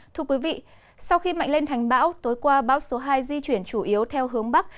thưa quý vị sau khi mạnh lên thành bão tối qua bão số hai di chuyển chủ yếu theo hướng bắc